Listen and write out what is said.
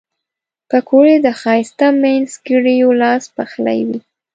پکورې د ښایسته مینځګړیو لاس پخلي وي